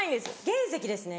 原石ですね